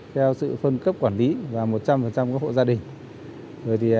theo sự phân cấp quản lý và một trăm linh các hộ gia đình